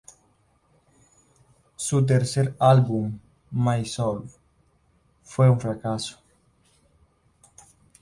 Su tercer álbum, "My Soul", fue un fracaso.